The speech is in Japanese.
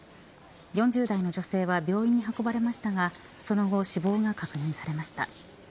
４０代の女性は病院に運ばれましたがその後、死亡が確認されました。